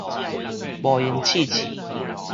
無閒刺刺